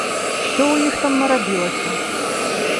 Што ў іх там нарабілася?